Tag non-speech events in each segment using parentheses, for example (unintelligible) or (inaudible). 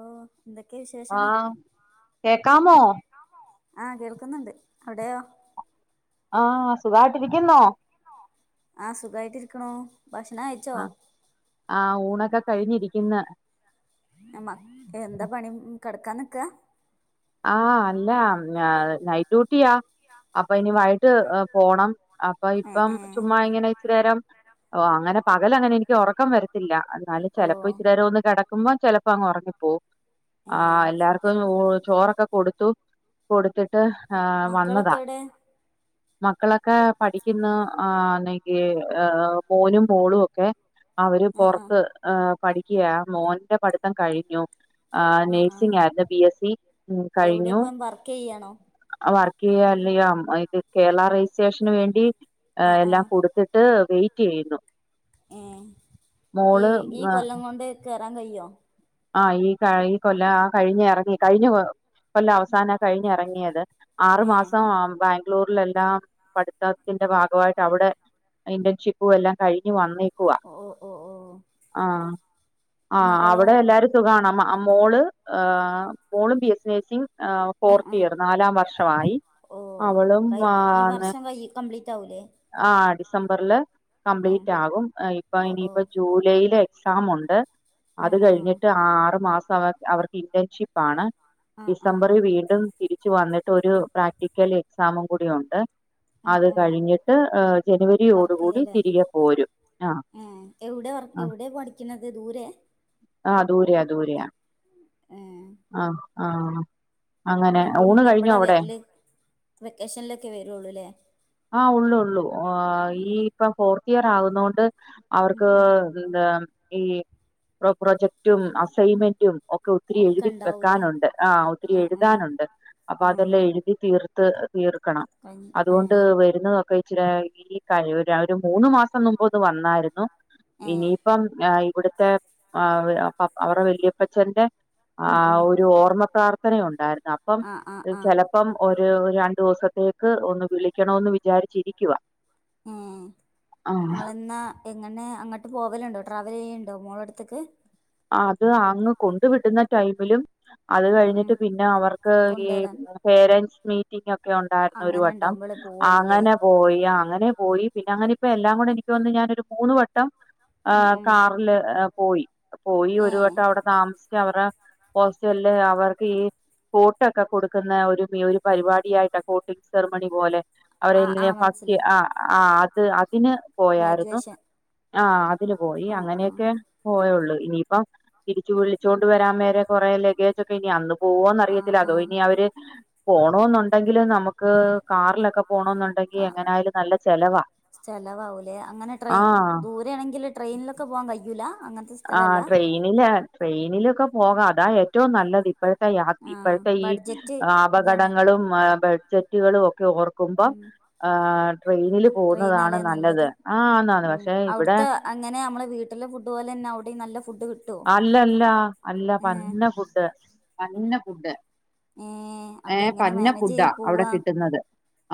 ഓഹ് എന്തൊക്കെയാ വിശേഷം? ആഹ് കേക്കാമോ ആഹ് കേൾക്കുന്നുണ്ട് അവിടെയോ? ആഹ് സുഖായിട്ടിരിക്കുന്നോ? ആഹ് സുഖായിട്ടിരിക്കുണൂ ഭക്ഷണം കയി ആഹ് ആഹ് ഊണൊക്കെ കഴിഞ്ഞിരിക്കുന്ന്. എമ്മ എന്താ പണി കെടക്കാൻ നിക്കാ. ആഹ് അല്ല ന നൈറ്റ് ഡ്യൂട്ടിയാ. അപ്പൊ ഇനി വൈകിട്ട് പോണം അപ്പൊ ഏ ഇപ്പം ഏ ചുമ്മാ എങ്ങനെ ഇച്ചിരിനേരം ഓഹ് അങ്ങനെ പകല് അങ്ങനെ എനിക്ക് ഉറക്കം വരത്തില്ല അന്നാലും ഓ ചെലപ്പ ഇച്ചിരിരം ഒന്നുകെടക്ക മ്പം ചെലപ്പോ അങ്ങ് ഉറങ്ങിപ്പോവും ഏ ആഹ് ഫു- എല്ലാർക്കും എന്ന് ഊ ചോറൊക്കെ കൊടുത്തു. കൊടുത്തിട്ട് ആഹ് മക്കളൊക്കെ വന്നതാ. എവിടെ (inaudible) മക്കളൊക്കെ പഠിക്കുന്ന ആന്നെങ്കി മോനും മോളുവൊക്കെ അവര് ആ ആ പൊറത്ത് പഠിക്കുവ മോന്റെ പഠിത്തം കഴിഞ്ഞു. ആഹ് ആ ആ നേഴ്സിംഗാരുന്നു ബി എസ് സി ഉം എവിടെ കഴിഞ്ഞു. ഇപ്പം വർക്ക് ചെയ്യാണോ വർക്ക് ചെയ്യല്ല അതിൻ്റെ കേരള രജിസ്ട്രേഷന് വേണ്ടി ഏ ആ ആ എല്ലാം കൊടുത്ത്. ട്ട് വെയിറ്റ് ചെയ്യുന്നു. ഉം ഈ മോള് ഈ കൊല്ലം കൊണ്ട് കേറാൻ കയ്യ്യോ? ആഹ് ഈ ക ഈ കൊല്ല ആഹ് കഴിഞ് എറങ്ങി കഴിഞ്ഞ കൊല്ല അവസ അവസാന കഴിഞ്ഞറങ്ങിയത് ആറു ഏ മാസം ബാ ഗ്ലൂരിലെല്ലാം പഠിത്താത്തിന്റെ ഭാഗമായിട്ട് അവിടെ ഇന്റേൺഷിപ്പ് പ്പു എല്ലാം കഴിഞ്ഞു വന്നേക്കുവാ ഓ ഓ ഓ ഓ. ആഹ് ആഹ് മകളോ അവി സുഖാണ മ മോള് മോള് ബി എസി നേഴ്‌സിംങ് ആഹ് ആ ആ ഫോർത്ത് ഇയർ നാലാം വർഷ വായി. ഓ അവളും കൈ അഹ് ഈ ആന്ന വർഷം കൈ കംപ്ലീറ്റ് ആവൂലേ ആഹ് ഡിസംബറില് ഉം കംപ്ലീറ്റ് ആകും ഇപ്പൊ ഓ ഓ ഇനിയിപ്പോ ജൂലൈയിലെ എക്സാം ഇണ്ട് അത് ആഹ് ആഹ് കഴിഞ്ഞിട്ട് ആഹ്ആറു മാസം അവർക്ക് ഇന്റേൺഷിപ്പ് ആണ് ആഹ് ആഹ് ഡിസംബറിൽ വീണ്ടും തിരിച്ചു വന്നിട്ട് ഒരു പ്രാക്ടിക്കൽ എക്സാമും കൂടി ഉണ്ട് ആഹ് അത് ആഹ് കഴിഞ്ഞിട്ട് വർക്ക് ജനുവരിയോടുകൂടി ചെയ്യല്ലേ തിരികെ പോരും ആഹ് എവിടെ വർക്ക് ആഹ് എവിടെ പഠിക്കണത് ദൂരെ ആഹ് ദൂരയാ ദൂരയാ ഏഹ് ആഹ് ആഹ് അങ്ങനെ അപ്പം ഊണ് കഴിഞ്ഞോ എപ്പള്ളാ അവിടെ വെരല് വെക്കേഷനിലൊക്കെ വരുള്ളൂല്ലേ ആഹ് ഉള്ളുള്ളൂ ഈ ഉം ഇപ്പൊ ഫോർത്ത് ഇയർ ആകുന്നോണ്ട് ഉം അവർക്ക് ഉം എന്താ ഈ പ്രാ പ്രജെക്ട് റ്റും അസൈൻമെന്റും ഒക്കെ ഒത്തിരി ഒക്കെ എഴുതി ഉണ്ടാവൂലേ വെക്കാനുണ്ട് ആഹ് ഒത്തിരി എഴുതാനുണ്ട് അപ്പൊ അതല്ലാം ആഹ് എഴുതിതീർ ത്ത് തീർക്കണം കഞ്ഞി അതുകൊണ്ട് ആഹ് വരുന്നതക്കെ ഇച്ചിരി ഈ ലീക്കായി ഒരു മൂന്നുമാസം മുമ്പൊന്ന് വന്നായിരുന്നു ഏഹ് ഇനിയിപ്പം ഇവിടുത്തെ ആഹ് പപ്പാ അവടെ വല്യാപ്പച്ചൻ്റെ ഉം ഉം ആഹ് ഒരു ഓർമ്മ പ്രാർത്ഥന ഉണ്ടായിരുന്നു അപ്പം ആഹ് ആഹ് ആഹ് ചെല പ്പം ഒരു രണ്ടു ദിവസത്തേക്ക് ഒന്ന് വിളിക്കണന്ന് വിചാരിച്ചിരിക്കുവാ ഉം ആ നിങ്ങളെന്നാ എങ്ങനെ അങ്ങട്ട് പോവലുണ്ടോ ട്രാവൽ ചെയ്യലുണ്ടോ മോളടുത്തേക്ക് അത് അന്ന് കൊണ്ടു വിടുന്ന ടൈമിലും അത് ഉം ഉം കഴിഞ്ഞിട്ട് പിന്നെ അവർക്ക് ഈ കൊണ്ടുവരാൻ പേരൻറ്സ് മീറ്റിംഗ് ഒക്കെ ഒണ്ടായിരുന്നു ഒരു അങ്ങനെ വട്ടം ഉണ്ടാവുമ്പോളേ പോവുള്ളൂല്ലേ അങ്ങനെ പോയി അങ്ങനെ പോയി പിന്നെ അങ്ങനെ ഇപ്പോ എല്ലാംകൂടെ എനിക്ക് തോന്ന്ന്ന് ഞാനൊരു മൂന്ന് വട്ടം ഉം ആഹ് ഉം കാറില് പോയി പോയി ഏ ഒരു വട്ടം അവിടെ താമസിച്ച് അവരടെ ഹോസ്റ്റലില് അവർക്ക് ഈ കോട്ടൊക്കെ കൊടുക്കുന്ന ഒരു ഈ ഒരു പരിപാടി ഫ്രീയായിട്ടാ കോട്ടിംഗ് സെർമണി പോലെ ആ ആ അവരെല്ല ഫസ്റ്റ് മനസ്സിലായി ആഹ് ആഹ് അത് അതിന് പോയായിരുന്നു ഗ്രാജുവേഷൻ ആഹ് അതിന് പോയി ആ അങ്ങനെയൊക്കെ പോയൊള്ളൂ ഇനിയിപ്പം തിരിച്ചു വിളിച്ചോണ്ട് വരാൻ നേരം കുറെ ലഗേജോക്കെ ഇനി അന്നും ആ പോവൊന്നറിയത്തില്ല ആ ആ അതോ ഇനി അവര് പോണോന്നുണ്ടെങ്കില് നമുക്ക് കാറിലൊക്കെ ക പോണന്നുണ്ടെങ്കി എങ്ങനെയാലും നല്ല ചെലവാ ചെലവാവൂലേ അങ്ങനെ ട്രെയിൻ ആഹ് ദൂരെയണെങ്കിൽ ട്രെയിനിലൊക്കെ പോവാ കയ്യുല അങ്ങനത്തെ സ് ആഹ് ട്രെയിനില് ട്രെയിനിലൊക്കെ പോകാ അതാ ഏറ്റവും നല്ലത് ഇപ്പഴത്തെ യാ ആ ഇപ്പഴത്തെ ഈ ബഡ്ജറ്റ് അതാണ് അപകടങ്ങളും ബെഡ് ജറ്റുകളും ഒക്കെ ഓർ ക്കുമ്പം ഉം ഏഹ് ട്രെയിനില് പോകുന്നതാണ് നല്ലത് ആഹ് അന്നാന്ന് പക്ഷെ ഇവ്ടെ എങ്ങനെ നമ്മളെ വീട്ടില ഫുഡ് പോലെന്നെ അവടിം നല്ല ഫുഡ്‌ കി അല്ലല്ല അല്ല പന്ന ഫുഡ് പന്ന ഫുഡ് ഏ അപ്പൊ ഏഹ് എങ്ങനെ പന്ന മാനേജ് ഫുഡാ ചെയ്ത് അവിടെ പോവാ കിട്ടുന്നത്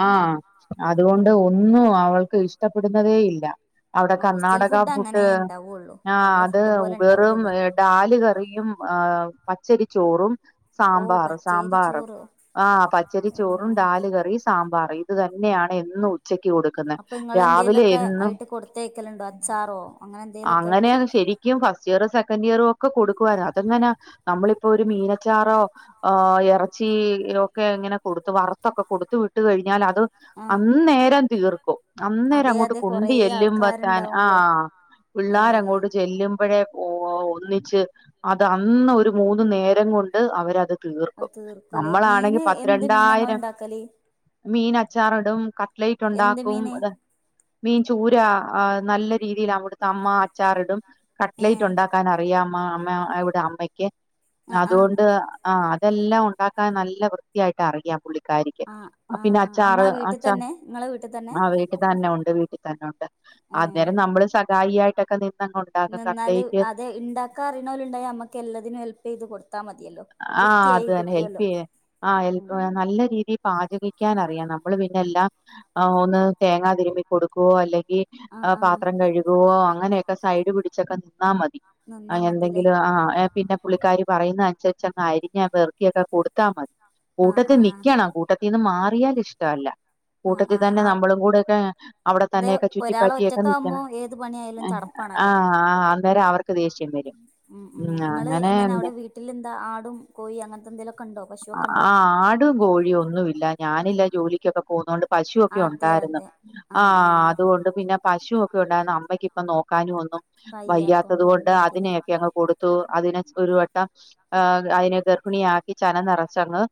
ആഹ് അതുകൊണ്ട് ഒന്നും അവൾക്ക് ഇഷ്ടപ്പെടുന്നതേ ഇല്ല അവടെ ഹോസ്റ്റൽ കർണാടക ഫുഡ് അങ്ങനെ ഉണ്ടാവുള്ളൂ ആഹ് നമ്മളെ അത് ഫുഡ് പോലെ വെറും ഉണ്ടാവൂലല്ലോ ഡാല് കറിയും ആഹ് പച്ചരിച്ചോറും ഓ സാമ്പാറ് പച്ചേരി സാമ്പാറ് ചോറ് ആഹ് പച്ചരിച്ചോറും ആഹ് ഡാല് കറിയും സാമ്പാറ് ഇത് തന്നെയാണ് എന്നും ഉച്ചക്ക് കൊടു ക്കുന്നെ അപ്പൊ നിങ്ങൾ രാവിലെ എന്തേലുമൊക്കെ എന്നും ആയിട്ട് കൊടുത്തയക്കലുണ്ടോ അച്ചാറോ അങ്ങനെ എന്തേലുമൊക്കെ ആയിട്ട് അങ്ങനെയാണ് ശരി ക്കും ഫസ്റ്റ് ഇയറും സെക്കൻഡ് ഇയറും ഒക്കെ കൊടുക്കുവായിരുന്നു അതങ്ങനാ നമ്മളിപ്പോ ഒരു മീനച്ചാറോ ആഹ് എറച്ചീയൊക്കെ ഇങ്ങനെ കൊടുത്ത് വറ്ത്തൊക്കെ കൊടുത്ത് വിട്ട് കഴിഞ്ഞാല ത് ആഹ് അന്നേരം തീർക്കും. അതെ അന്നേരങ്ങോട്ട് അതെ കൊറേ കൊണ്ടു ചെല്ലുമ്പത്താൻ ആൾക്കാരുണ്ടാവുമ്പളേ ആഹ് ആഹ് പിള്ളാരങ്ങോട്ട് ചെല്ലും. മ്പഴേ പോവാ ഒന്നിച്ച് അത് അന്ന് ഒരു മൂന്ന് നേരം കൊണ്ട് അവരത് അത് തീർക്കും തീർക്കൂലേ നമ്മളാണെങ്കി മീന് എന്ത് മീനാ ഇങ്ങൾ പത്ത്രണ്ടായിരം ഇണ്ടാക്കല് മീൻ അച്ചാറ് ടും കട്ട്ലൈറ്റ് എന്ത് ണ്ടാക്കും മീന് ത് മീൻ ചൂരാ ആഹ് നല്ല രീതിയില് അവ്ട്ത്തെ അമ്മ അച്ചാറ്ടും. ഏഹ് ട്ട്ലൈറ്റുണ്ടാക്കാൻ അറിയാ അമ്മാ അമ്മ അവ്ടെ അമ്മക്ക് ആഹ് ആഹ് അതോണ്ട് ആഹ് അതെല്ലാം ഉണ്ടാക്കാൻ നല്ല വൃത്തിയായിട്ടറിയാം പുള്ളി ക്കാരിക്ക് ആഹ് പിന്നെ ആഹ് അച്ചാറ് അമ്മ വീട്ടിൽ അച്ച തന്നെ ഇങ്ങളെ വീട്ടിൽ തന്നെ (unintelligible) തന്നൊണ്ട് വീട്ട് തന്നൊണ്ട് അന്നേരം ഏഹ് നമ്മള് സകായി ആയിട്ടൊക്കെ നിന്നങ്ങൊണ്ടാക്കും ക ന്നാല് അത് ഇണ്ടാക്കാ അറീണോല് ണ്ടായ അമ്മക്കെല്ലാതിനും ഹെൽപെയ്ത് കൊട് ആഹ് അത് തെന്നെ ഹെൽപെയ്യാൻ ആഹ് ഹെല്പ് ഉം നല്ല രീതി പാചകിക്കാനറിയാ നമ്മള് പിന്നെ എല്ലാം ഒന്ന് തേങ്ങാതിര്മ്പി കൊട്ക്കോ അല്ലെങ്കി ആഹ് ആഹ് പാത്രം കഴുകുവോ അങ്ങനെയെക്കെ സൈഡ് പിടിച്ചങ്ങ് നിന്നാ മതി. നിന്നാ അഹ് മതില്ലേ എന്തെങ്കിലും ആഹ് എഹ് പിന്നെ പുള്ളിക്കാരി പറയ്ന്നൻസരിച്ചങ്ങ് അരിഞ്ഞൊ പെർക്ക്യൊക്കെ കൊട്ത്താ മതി. ആഹ് കൂട്ടത്തി ആഹ് നിക്കണം കൂട്ട ത്തീന്ന് മാറിയാലിഷ്ടല്ല. കൂട്ടത്തി ആഹ് തന്നെ ആഹ് നമ്മളും കൂടെക്കെ അവടെ അതെ തന്നെക്കെ ഒരാൾ ചുറ്റിപ്പറ്റിയെക്കെ ഒറ്റക്കാവുമ്പോ നിക്കണം. ഏത് പണിയായാലും അഹ് ചടപ്പാണല്ലോ ആഹ് ആഹ് അന്നേരം അവർക്ക് ദേഷ്യം വെരും. ഉം അങ്ങനെ പിന്നെ ട്ട്ലെന്താ ആടും കോയി അങ്ങൻത്തെ എന്തെലൊക്കെണ്ടോ? ആഹ് ആടും കോഴൊന്നുല്ല ഞാനില്ല ജോലിക്കൊക്കെ പോവുന്നൊണ്ട് പശൂക്കെ ഉണ്ടായിര്ന്ന്. ആഹ് അതോണ്ട് പിന്നെ പശുവൊക്കൊണ്ടായിരുന്നു അമ്മയ്ക്ക് പ്പം നോക്കാനൊന്നും വയ്യാത്തത് കയ്യാത്തോണ്ട് കൊണ്ട് ഒഴിവാക്കില്ലേ അതിനെയെക്കെ അങ്ങ് കൊടുത്തു അതിനെ ഒരു വട്ടം ആഹ് അയ്നെ ഗർഭിണിയാക്കി ചന നെറച്ചങ്ങ്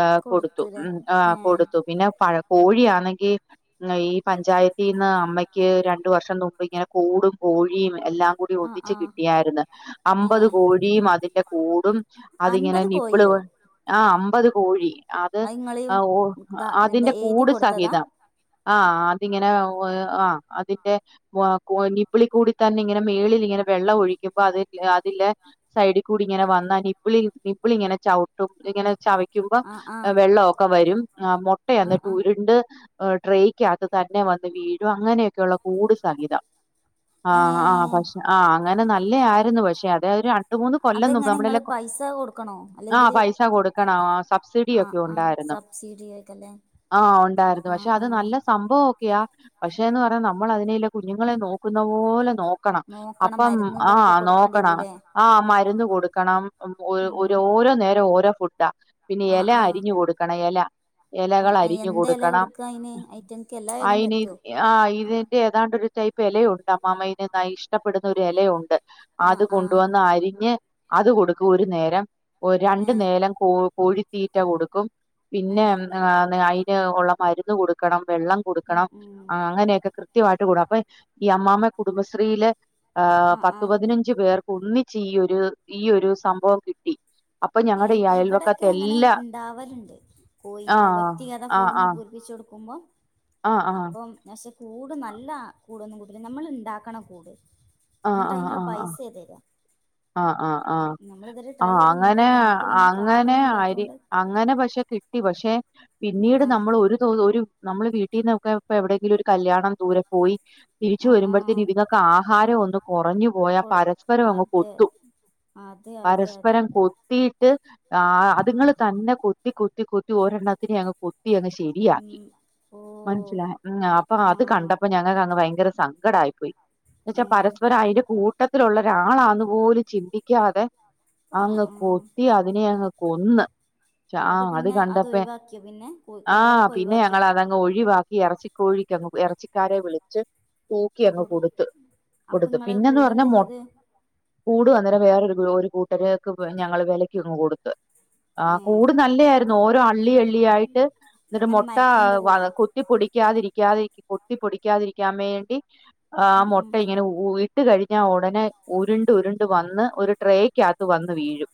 ഏഹ് കൊടുത്തു. കൊടുത്തൂലേ ആഹ് ഏഹ് കൊടുത്തു. പിന്നെ പഴ കോഴിയാന്നെങ്കി ങ ഈ പഞ്ചായത്തീന്ന് അമ്മക്ക് രണ്ടു വർഷം നുമ്പ് ങ്ങനെ കൂടും കോഴിയും എല്ലാം കൂടി ആഹ് ഒന്നിച്ച് ആഹ് കിട്ടിയാര്ന്ന്. അമ്പത് ഏഹ് കോഴിം അതിന്റെ കൂടും അതിങ്ങനെ അൻപത് നിപ്പ് ള് കോഴിയോ ആഹ് അമ്പത് കോഴി അത് അഹ് ഓഹ് ഇതാ എന്താ അതിന്റെ എഴുതി കൂട് കൊടുത്തതാ സഹിതം. ആഹ് അതിങ്ങനെ ഓഹ് ആഹ് അതിന്റെ വ്വ്വ കൊയ് നിപിളി കൂടി തന്നെ ഇങ്ങനെ മേളില്ങ്ങനെ വെള്ള ഒഴിക്കുമ്പോ അത് എഹ് അതില്ല് സൈഡി കൂടി ങ്ങനെ വന്നാ നിപ്പ്ളില് നിപ്പിളിങ്ങനെ ചവ് ക്കും ഇങ്ങനെ ചവക്ക്യുമ്പോ ആഹ് ആഹ് വെള്ള ഒക്കെ വരും. മുട്ട ആഹ് അന്ന്ട്ട് ആഹ് ഉരു ണ്ട് ട്രേയ്ക്കാത്ത് തന്നെ വന്ന് വീഴും അങ്ങനെയൊക്കെള്ള കൂട് സഹിതം. ആഹ് ആഹ് ഏഹ് പക്ഷെ ആഹ് അങ്ങനെ നല്ലയാര്ന്നു. പക്ഷെ അത് രണ്ട് മൂന്ന് കൊല്ലം നുമ്പ് അതെങ്ങനെ ഇങ്ങള് അമ്മടെല്ല പൈസ കൊട്ക്കണോ? അല്ലെങ്കില് പൈസ കൊട്ക്കണ. ആഹ് ആഹ് സബ്സിഡിയൊക്കെ ആഹ് ഉണ്ടായിര്ന്നു. സബ്സിഡി ആയിട്ടല്ലേ ആഹ് ഒണ്ടായിരുന്നു. ആഹ് പക്ഷെ അത് ആഹ് നല്ല സംഭവം വൊക്കേയ പക്ഷേന്ന് പർഞ്ഞാ നമ്മളതിനെല്ലെ കുഞ്ഞുങ്ങളെ നോക്കുന്ന പോലെ നോ ക്കണം. നോക്കണം അപ്പം മരുന്നും ഇതൊക്കെ ആഹ് കൊടുക്കേണ്ടി നോക്കണം വരൂല്ലേ ആഹ് മര്ന്ന് കൊട്ക്കണം. ഉം ഒരു ഉം ഓരോ ഓരോനേരം ഓരോ ഫുഡാ. പിന്നെ ആഹ് എല ആഹ് അരിഞ്ഞ് കൊട്ക്കണം എല. ഉം എലകളരിഞ്ഞ് എന്ത് എല കൊട്ക്കണം. കൊടുക്കാ അയിന് ഐറ്റങ്ങൾക്ക് എല്ലാ എലയും അയ്ന് പറ്റുവോ ആഹ് ഇതിന്റെ ഏതാണ്ട് ഒരു ടൈപ്പ് എലയുണ്ട് അമ്മാമ്മ ഇതിന് ഇഷ്ടപ്പെടുന്ന ഒരു എലയൊണ്ട് അത് ആഹ് ആഹ് കൊണ്ടുവന്ന് അരിഞ്ഞ് അത് കൊടുക്കും ഒരു നേരം രണ്ടു ഏഹ് നേരം കോ കോഴിത്തീറ്റ കൊടുക്കും പിന്നെ ഏഹ് അയിന് ഉള്ള മരുന്ന് കൊടുക്കണം വെള്ളം ഉം കൊടുക്കണം ഉം ആഹ് അങ്ങനെയൊക്കെ കൃത്യമായിട്ട് കൊട് അപ്പൊ ഈ അമ്മാമ്മ കുടുംബശ്രീയില് ആഹ് പത്തു പതിനഞ്ചു പേർക്ക് ഒന്നിച്ച് ഈ ഒരു ഈ ഒരു സംഭവം കിട്ടി അപ്പൊ ഞങ്ങളുടെ ഈ ഏഹ് അയൽവക്കത്തെ ഇവിടെക്കെ അങ്ങനെ എല്ലാ ഇണ്ടാവലുണ്ട് ആ കോയിന്റെ വ്യക്തിഗത ഫോമ് ഒക്കെ പൂരിപ്പിച്ചു കൊടുക്കുമ്പം - ആഹ് ആഹ് പക്ഷെ കൂട് നല്ല കൂടൊന്നും കിട്ടുല്ല നമ്മള് ഇണ്ടാക്കണം കൂട് എന്നിട്ട് അതിനുള്ള പൈസയാ തരുക ആഹ് ആഹ് ആഹ് ട്രൈ ആഹ് ചെയ്ത് അങ്ങനെ നോക്കിയില്ല നമ്മക്ക് പിന്നെ അങ്ങനെ കാടൊന്നും ആയിരി ഇല്ലാത്തോണ്ട് ആഹ് അങ്ങനെ പക്ഷെ കിട്ടി പക്ഷെ ഉം പിന്നീട് ആഹ് നമ്മള് ഒരു ഒരു നമ്മള് വീട്ടിന്നൊക്കെ ഇപ്പോ എവിടെയെങ്കിലും ഒരു കല്യാണം ദൂരെ പോയി തിരിച്ചു ആഹ് ആഹ് വരുമ്പോഴത്തേന് ഇതിങ്ങക്കക്ക് ആഹാരം ഒന്ന് കൊറഞ്ഞു പോയാൽ കൊടു പരസ്പരം അങ്ങ് അതെ കൊത്ത് - ത്തും അതെ അതെ അതെ പരസ്പരം കൊത്തിയിട്ട് ആഹ് അതുങ്ങൾ തന്നെ കൊത്തി കൊത്തി കൊത്തി ഒരെണ്ണത്തിന അങ്ങ് കൊ കൊത്തി അങ്ങ് ശരിയാക്കി ഒന്ന് ഓ മനസ്സിലായി ആഹ് അപ്പൊ അത് ആഹ് കണ്ടപ്പോ ഞങ്ങക്ക് അങ്ങ് ഭയങ്കര സങ്കടായി പോയി എന്ന് വെച്ചാ ഏഹ് പരസ്പരം അതിന്റെ കൂട്ടത്തിലുള്ള ഒരാളാന്നും - പോലും ചിന്തിക്കാതെ ആഹ് അങ്ങ് ആഹ് കൊത്തി അതിനെ അങ്ങ് കൊന്ന് എന്നിട്ട് ആഹ് അത് പിന്നെ കണ്ടപ്പ ഒഴിവാക്കിയോ പിന്നെ കോ ആഹ് കോഴികളൊക്കെ പിന്നെ ഞങ്ങൾ ഒഴിവാക്കിയോ അതങ്ങ് ഒഴിവാക്കി ഇറച്ചി കോഴിക്കങ്ങ് എറച്ചിക്കാരെ വിളിച്ച് തൂക്കി അങ്ങ് കൊടുക്കും കൊടുത്ത് അപ്പൊ കൊടുത്ത് ഇങ്ങള് പിന്നെന്ന് കൂട് പറഞ്ഞാ എന്താ മൊ ചെയ്ത് കൂട് അന്നേരം വേറൊരു ഒരു കൂട്ടരക്ക് ഞങ്ങള് വെലക്ക് അങ്ങ് കൊടുത്ത് ഏ ആഹ് കൂട് നല്ലതായിരുന്നു ഓരോ അള്ളി അള്ളി ആയിട്ട് എന്നിട്ട് എങ്ങനെ മുട്ട മരത്തിന്റെ കൂടോ ആഹ് കൊ ത്തി പൊടിക്കാതിരിക്കാതി കൊത്തി പൊടിക്കാതിരിക്കാൻ വേണ്ടി ആഹ് ഉം ഉം മൊട്ട ഇങ്ങനെ ഊ ഇട്ട് കഴിഞ്ഞാൽ ഉടനെ ഉരുണ്ട് ഉരുണ്ട് വന്ന് ഒരു ട്രേക്കാത്ത് വന്ന് വീഴും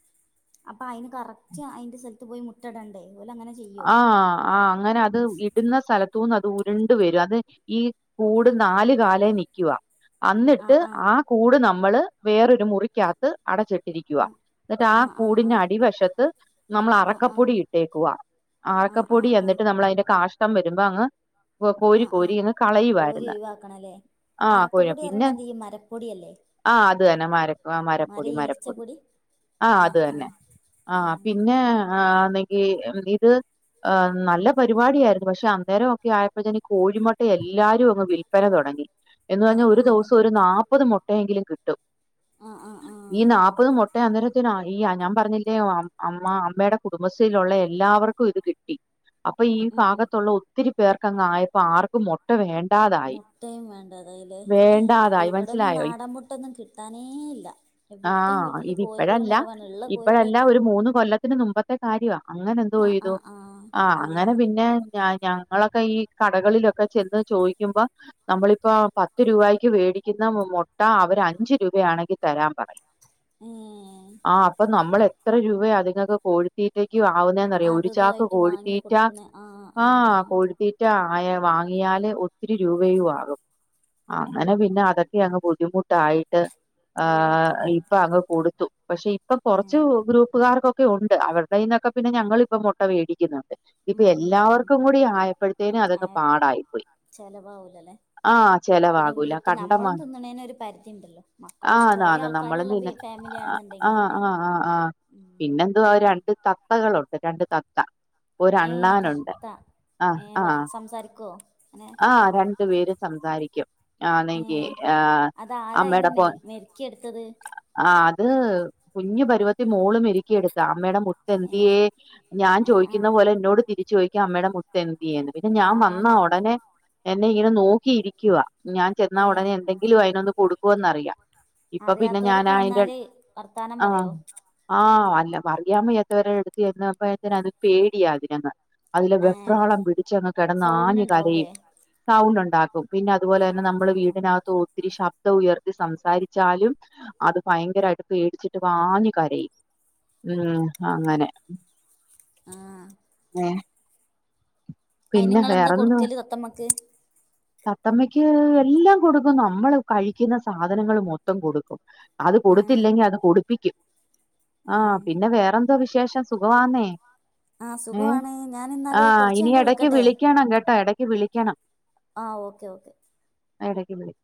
അപ്പൊ അയിന് കറക്റ്റ് അയിന്റെ സ്ഥലത്ത് പോയി മുട്ടയിടണ്ടേ അത് പോലെ അങ്ങനെ ചെയ്യ്- ആഹ് ആഹ് അങ്ങനെ അത് ഇടുന്ന സ്ഥലത്തു നിന്ന് അത് ഉരുണ്ട് വരും അത് ഈ കൂട് നാല് കാലേ നിക്കുവാ അന്നിട്ട് ആ കൂട് നമ്മള് വേറൊരു മുറിക്കാത്ത് അടച്ചിട്ടിരിക്കുക ആ എന്നിട്ട് ആ കൂടിന്റെ അടിവശത്ത് നമ്മള് ആ ആ അറക്കപ്പൊടി ഇട്ടേക്കുവ ആ അറക്കപ്പൊടി ആ ആ എന്നിട്ട് നമ്മള് അതിന്റെ കാഷ്ടം വരുമ്പോ അങ്ങ് ആ കോരി ആ കോരി അങ് കോരി കളയുവായിരുന്നു ഒഴിവാക്കണല്ലേ ആ അറക്കപ്പൊടി പറയണ ഈ മരപ്പൊടിയല്ലേ ആഹ് അത് അന്നെ മര മര മരപ്പൊടി മരപ്പൊടി. ഈർച്ചപ്പൊടി ആഹ് ആ അത് ആ തന്നെ ആ ആഹ് പിന്നെ ആഹ് ആണെങ്കി ഇത്. ആഹ് നല്ല പരിപാടിയായിരുന്നു പക്ഷെ അന്നേരൊക്കെ ആയപ്പോതിന് കോഴി മൊട്ട എല്ലാരും അങ്ങ് - വിൽപ്പന തൊടങ്ങി എന്ന് ആ പറഞ്ഞാ ആ ഒരു ദിവസം ഒരു ആ നാപത് മൊട്ടയെങ്കിലും കിട്ടും. ആഹ് ആഹ് ആഹ്. ഈ നാപ്പത് മൊട്ടേ അന്നെരത്തിന് ഈ ഞാൻ പറഞ്ഞില്ലേ അമ്മ അമ്മയുടെ കുടുംബശ്രീലുള്ള എല്ലാവർക്കും- ക്കും ഇത് കിട്ടി അപ്പൊ ഈ ഉം ഉം ഉം ഭാഗത്തുള്ള ഒത്തിരി പേർക്ക് അങ്ങ് ആയപ്പോ ആർക്കും മൊട്ട വേണ്ടാതെ - മൊട്ട വേണ്ടാതായല്ലേ ഇവടൊന്നും മനസ്സിലായോ നാടൻ മൊട്ടൊന്നും കിട്ടാനേ ഇല്ല. എവിടെയും ആഹ് വീട്ടില് കോഴികളും ഇതിപ്പഴല്ല കുറവാണ് ഉള്ള കോഴികള് ഇപ്പഴല്ല ഒരു മൂന്ന് കൊല്ല ത്തിന് മുമ്പത്തെ കാര്യ അങ്ങനെ ആ ആ എന്തോയ്തു ആ അങ്ങനെ പിന് ന്നെ ഞ ഞങ്ങളൊക്കെ ഈ കടകളിലൊക്കെ ചെന്ന് ചോയിക്കുമ്പോ. നമ്മളിപ്പോ പത്ത് രൂപായ്ക്ക് മേടിയ്ക്കുന്ന മുട്ട അവര് അഞ്ച് രൂപയാണെങ്കി തരാൻ പറഞ്ഞു. ഏഹ് ആ അപ്പൊ നമ്മള് എത്ര രൂപേ അദിങ്ങക്ക് കോഴിത്തീറ്റയ്ക്ക് ആവുന്നന്ന്റിയോ ഒരു. അതും ചാക്ക് ഇതുമായിട്ട് വാങ്ങി കോഴിത്തീറ്റാ കൊടുക്കണേ ആ കോഴി ത്തീ റ്റ ആയ വാങ്ങിയാല് ഒത്തിരി രൂപയും ആകും. അങ്ങനെ ഉം പിന്നെ അതൊക്കെ അങ്ങ് ബുദ്ധിമുട്ടായിട്ട്. ആ ഒഴിവാക്കില്ലേ ഇപ്പ അങ്ങ് കൊടുത്തു പക്ഷെ ഇപ്പൊ ഏ കൊറച്ച് ഗ്രൂപ്പുകാർക്കൊക്കെ. ഒക്കെ ഉണ്ട് അവരുടെയ്യ്ന്നൊക്കെ പിന്നെ ഞങ്ങളിപ്പം മുട്ട വേടിയ്ക്കുന്നുണ്ട്. ഇപ്പ ഉം ഉം ഉം എല്ലാർക്കും കൂടി ആയപ്പഴ്‌ത്തേന് അത് പാടായിപ്പോയി. ചെലവാവൂലലേ ആ പിന്നെ വീട്ടി കണ്ടമാ നമ്മളും തിന്നണേന് ഒരു പരിധിണ്ടല്ലോ മക്കളും കൊറെ ആന്നാന്ന് ആൾക്കാര്ള്ള വീ ഫാമിലിയാണെന്ന്ണ്ടെങ്കില് ല്ലേ. ആ ആ പിന്നെന്തുവാ രണ്ട് തത്തകളുണ്ട് രണ്ട് തത്ത. ഏഹ് ഒരണ്ണാനുണ്ട്. തത്ത ആ ഏഹ് ആ വർ സംസാരിക്കോ അങ്ങനെ ആ രണ്ടു പേരും സംസാരിക്കും. ആന്നെങ്കി ഏഹ് ആ അതാരാ അയിനെ അമ്മേടപ്പോൻ മെയ് മെരുക്കിയെടുത്തത് ആ അത് കുഞ്ഞു പരുവത്തി മോള് മെരുക്കി എടുത്ത അമ്മയുടെ മുത്തന്ത്യേ ഏഹ് ഞാൻ ആഹ് ചോയിക്കുന്ന ആഹ് പോലെ എന്നോട് തിരിച്ച് ചോയിക്കും അമ്മേടെ മുത്തന്ത്യേന്ന് പിന്നെ ഞാൻ ആഹ് വന്ന ഞാ ഒടനെ എന്നെ ഇങ്ങനെ നോക്കിയിരിക്കുവാ ഞാൻ ചെന്നാ ഏഹ് ഉടനെ എന്തെങ്കിലും അയ്നൊന്ന് കൊട്ക്കുവെന്നറിയാ. ഇപ്പ പിന്നെ അറിയാത്തോരൊക്കെ ഞാനാ അയ്ന്റട് വന്നാല് വർത്താനം പറയോ ആ ആ അല്ല പറിയാവെയ്യാത്തവര് അടുത്ത് ചെന്നാ പ്പയ്ത്തിന് അത് പേടിയാ അതിനങ്ങ് അതില് ഏഹ് വെപ്രാളം പിടിച്ചങ്ങ് കെടന്ന് സൗണ്ട് ആഞ്ഞ് ഇണ്ടാവൂലേ കരയും. സൗണ്ടുണ്ടാക്കും പിന്നെ അതുപോലെ തന്നെ ആഹ് നമ്മള് ആഹ് വീടിനകത്ത് ഒത്തിരി ശബ് ശബ്ദം ഉയർത്തി സംസാരിച്ചാലും അത് ഭയങ്കരായിട്ട് പേടിച്ചിട്ട് വാഞ്ഞ് കരയും. ഉം അങ്ങനെ. ആഹ്. ഏഹ്. അയ്ന് ങ്ങളെന്താ വേറെന്തുവാ കൊടുക്കല് തത്തമ്മക്ക്. തത്തമ്മയ്ക്ക് എല്ലാം കൊടുക്കും നമ്മള് കഴിക്കുന്ന സാധനങ്ങള് മൊത്തം കൊടുക്കും. അത് ആഹ് കൊടുത്തില്ലെങ്കി അത് കൊടുപ്പിക്കും ആ ഏഹ് പിന്നെ വേറെന്തോ വിശേഷം സുഖമാന്നേ? ആഹ് ഏ സുഖവാണ് ആ ഞാനിന്നാല് കൊറച്ച് ഇനി കഴിഞ്ഞിട്ട് എടയ്ക്ക് വിളിക്കട്ടെ വിളിയ്ക്കണം കെട്ടോ എടയ്ക്ക് വിളിയ്ക്കണം. ആ ഓക്കെ ഓക്കെ. ആ എടയ്ക്ക് വിളി